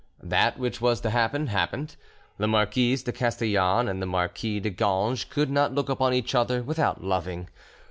That which was to happen, happened: the Marquise de Castellane and the Marquis de Ganges could not look upon each other without loving.